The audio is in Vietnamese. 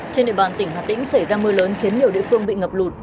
trên địa bàn tỉnh hà tĩnh xảy ra mưa lớn khiến nhiều địa phương bị ngập lụt